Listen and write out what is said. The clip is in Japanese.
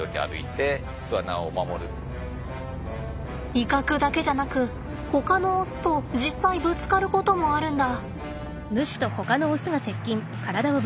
威嚇だけじゃなくほかのオスと実際ぶつかることもあるんだ。